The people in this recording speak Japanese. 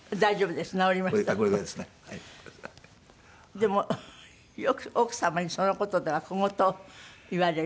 でもよく奥様にその事では小言を言われると。